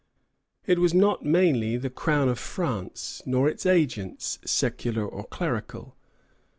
It was not mainly the Crown of France nor its agents, secular or clerical.